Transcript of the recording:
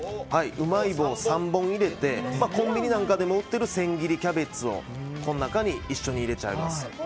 うまい棒３本入れてコンビニなんかでも売ってる千切りキャベツをこの中に一緒に入れちゃいます。